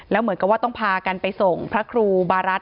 แล้วเหมือนกับว่าต้องพากันไปส่งพระครูบารัฐ